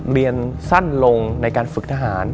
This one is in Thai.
เรียนสั้นลงในการฝึกทหาร